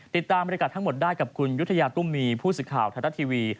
ติดตามบริการทั้งหมดได้กับคุณยุธยาตุ้มมีผู้สื่อข่าวไทยรัฐทีวี